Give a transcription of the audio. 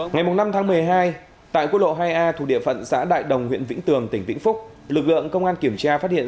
ngày năm tháng một mươi hai tại quốc lộ hai a thuộc địa phận xã đại đồng huyện vĩnh tường tỉnh vĩnh phúc lực lượng công an kiểm tra phát hiện